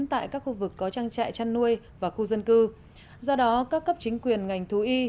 tại các khu vực có trang trại chăn nuôi và khu dân cư do đó các cấp chính quyền ngành thú y